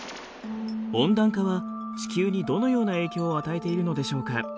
温暖化は地球にどのような影響を与えているのでしょうか。